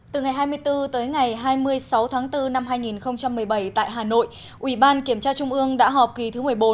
từ ngày hai mươi bốn tới ngày hai mươi sáu tháng bốn năm hai nghìn một mươi bảy tại hà nội ủy ban kiểm tra trung ương đã họp kỳ thứ một mươi bốn